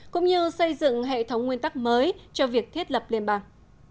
cũng như xây dựng hệ thống nguyên tắc mới cho việc thiết lập liên bang